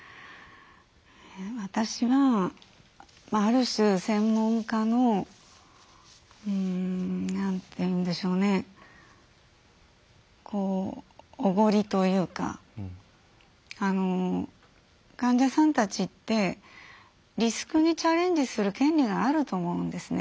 私はある種専門家の何て言うんでしょうねおごりというか患者さんたちってリスクにチャレンジする権利があると思うんですね。